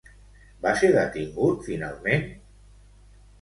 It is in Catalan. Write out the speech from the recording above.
Va ser detingut, finalment?